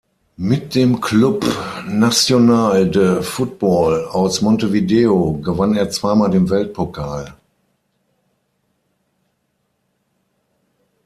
Mit dem Club Nacional de Football aus Montevideo gewann er zweimal den Weltpokal.